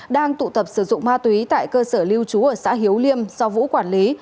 đang tụ tập sử dụng ma túy tại cơ sở lưu trú ở xã hiếu liêm do vũ quản lý